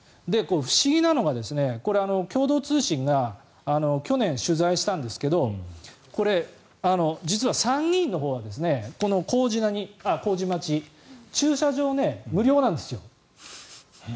不思議なのがこれ、共同通信が去年、取材したんですがこれ、実は参議院のほうはこの麹町駐車場無料なんですよ。